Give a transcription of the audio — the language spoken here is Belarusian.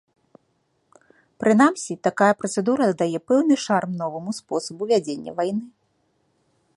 Прынамсі, такая працэдура дадае пэўны шарм новаму спосабу вядзення вайны.